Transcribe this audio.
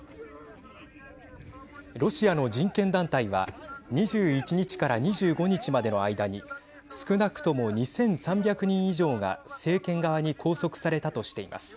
ロシアの人権団体は２１日から２５日までの間に少なくとも２３００人以上が政権側に拘束されたとしています。